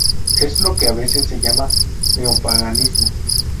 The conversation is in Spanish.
Es lo que a veces se llama neopaganismo.